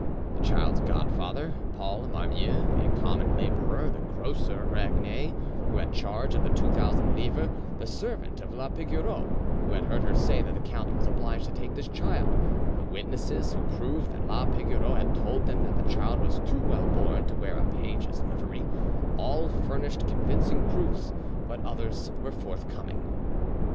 The child's godfather, Paul Marmiou, a common labourer; the grocer Raguenet, who had charge of the two thousand livres; the servant of la Pigoreau, who had heard her say that the count was obliged to take this child; the witnesses who proved that la Pigoreau had told them that the child was too well born to wear a page's livery, all furnished convincing proofs; but others were forthcoming.